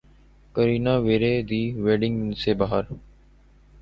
کرینہ ویرے دی ویڈنگ سے باہر